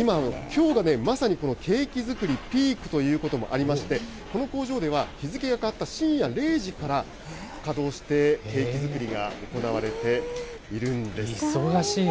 今、きょうがまさにこのケーキ作りピークということもありまして、この工場では、日付がかわった深夜０時から稼働してケーキ作りが行われているん忙しい。